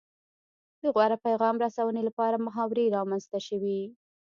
د غوره پیغام رسونې لپاره محاورې رامنځته شوې